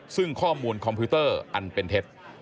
ซึ่งข้อมูลคอมพิวเตอร์อันเป็นเท็จ